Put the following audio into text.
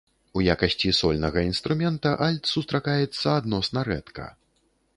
У якасці сольнага інструмента альт сустракаецца адносна рэдка.